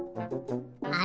あれ？